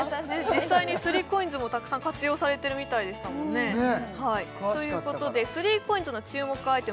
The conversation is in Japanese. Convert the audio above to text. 実際に３ＣＯＩＮＳもたくさん活用されてるみたいでしたもんねということで３ＣＯＩＮＳの注目アイテム